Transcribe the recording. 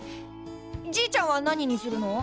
じいちゃんは何にするの？